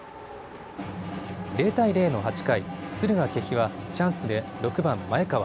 ０対０の８回、敦賀気比はチャンスで６番・前川。